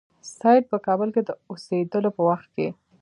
سید په کابل کې د اوسېدلو په وخت کې.